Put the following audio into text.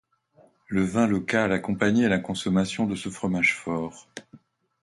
Le vin local accompagnait la consommation de ce fromage fort.